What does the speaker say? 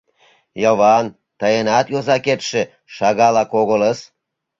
Йыван, тыйынат йозакетше шагалак огылыс.